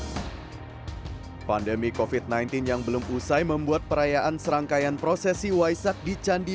hai pandemi kofit sembilan belas yang belum usai membuat perayaan serangkaian prosesi waisak di candi